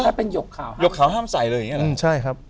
หยกขาวห้ามใส่เลยใช่ครับ